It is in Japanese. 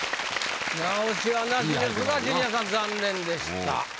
直しはなしですがジュニアさん残念でした。